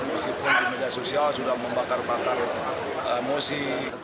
misi pun di media sosial sudah membakar bakar emosi